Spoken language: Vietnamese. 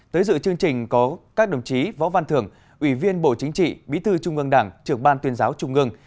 tới dự chương trình có các đồng chí võ văn thưởng ủy viên bộ chính trị bí thư trung ương đảng trưởng ban tuyên giáo trung ương